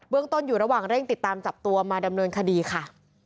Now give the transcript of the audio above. ต้นอยู่ระหว่างเร่งติดตามจับตัวมาดำเนินคดีค่ะ